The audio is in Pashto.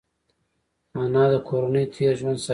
انا د کورنۍ تېر ژوند ساتي